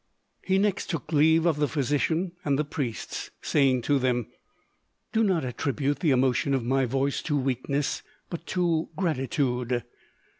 He next took leave of the physician and the priests, saying to them, "Do not attribute the emotion of my voice to weakness but to gratitude."